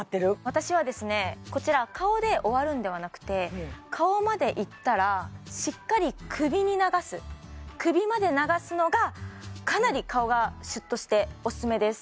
私はですねこちら顔で終わるんではなくて顔までいったらしっかり首に流す首まで流すのがかなり顔がシュッとしてオススメです